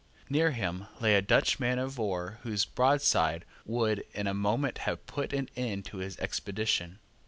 Near him lay a Dutch man of war whose broadside would in a moment have put an end to his expedition.